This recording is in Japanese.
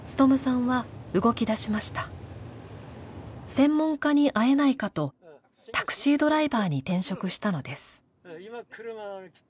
専門家に会えないかとタクシードライバーに転職したのです。